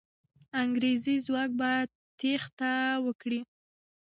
انګریزي ځواک به تېښته وکړي.